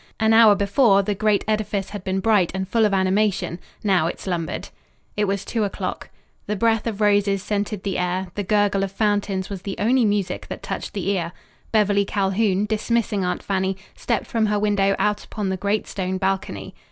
An hour before the great edifice had been bright and full of animation; now it slumbered. It was two o'clock. The breath of roses scented the air, the gurgle of fountains was the only music that touched the ear. Beverly Calhoun, dismissing Aunt Fanny, stepped from her window out upon the great stone balcony.